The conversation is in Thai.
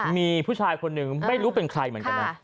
มีผู้ชายคนหนึ่งไม่รู้เป็นใครเหมือนกันนะ